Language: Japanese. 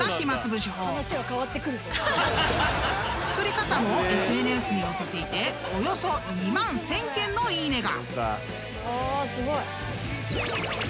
［作り方もＳＮＳに載せていておよそ２万１，０００件のいいねが］